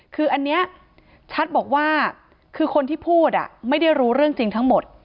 คืออันนี้ชัดบอกว่าคือคนที่พูดไม่ได้รู้เรื่องจริงทั้งหมด